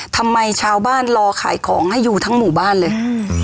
ทำไมชาวบ้านรอขายของให้อยู่ทั้งหมู่บ้านเลย